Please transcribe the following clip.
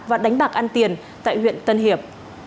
và đánh bạc ăn tiền tại huyện tân hiệp